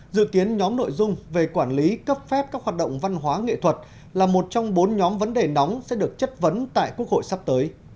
dự kiến nhóm nội dung về quản lý cấp phép các hoạt động văn hóa nghệ thuật là một trong bốn nhóm vấn đề nóng sẽ được chất vấn tại quốc hội sắp tới